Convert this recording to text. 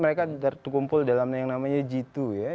mereka terkumpul dalam yang namanya g dua ya